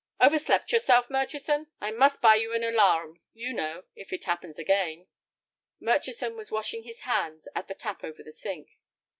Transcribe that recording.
"Overslept yourself, Murchison? I must buy you an alarum, you know, if it happens again." Murchison was washing his hands at the tap over the sink.